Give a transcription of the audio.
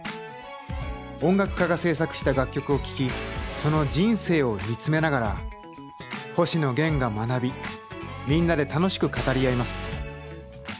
音楽家が制作した楽曲を聴きその人生を見つめながら星野源が学びみんなで楽しく語り合います。